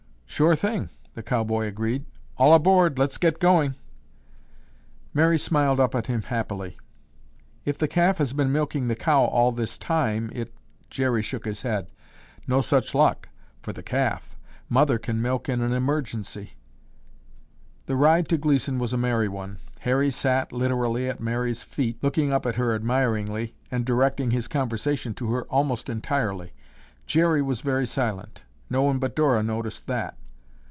"Sure thing!" the cowboy agreed. "All aboard, let's get going." Mary smiled up at him happily. "If the calf has been milking the cow all this time, it—" Jerry shook his head. "No such luck—for the calf. Mother can milk in an emergency." The ride to Gleeson was a merry one. Harry sat, literally, at Mary's feet, looking up at her admiringly and directing his conversation to her almost entirely. Jerry was very silent. No one but Dora noticed that.